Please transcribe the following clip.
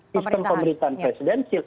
sistem pemerintahan presidencil